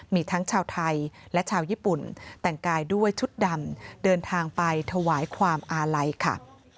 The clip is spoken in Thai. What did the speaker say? มีทั้งชาวไทยและชาวญี่ปุ่นแต่งกายด้วยชุดดำเดินทางไปถวายความอาลัยค่ะ